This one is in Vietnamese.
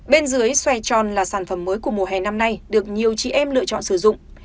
bên dưới xoài tròn là sản phẩm mới của mùa hè năm nay được nhiều chị em lựa chọn sử dụng